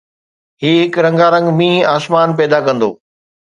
هي هڪ رنگارنگ مينهن آسمان پيدا ڪندو